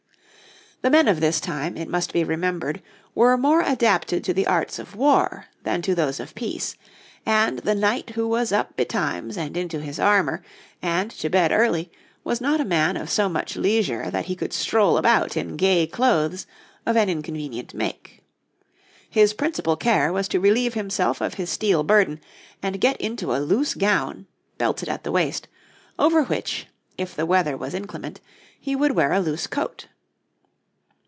}] The men of this time, it must be remembered, were more adapted to the arts of war than to those of peace; and the knight who was up betimes and into his armour, and to bed early, was not a man of so much leisure that he could stroll about in gay clothes of an inconvenient make. His principal care was to relieve himself of his steel burden and get into a loose gown, belted at the waist, over which, if the weather was inclement, he would wear a loose coat.